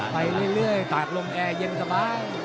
ไปเรื่อยตากลมแอร์เย็นสบาย